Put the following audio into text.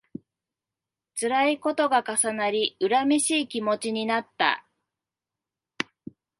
つらいことが重なり、恨めしい気持ちになった